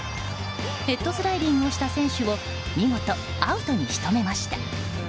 ヘッドスライディングした選手を見事、アウトに仕留めました。